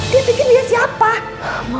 dia pikir dia siapa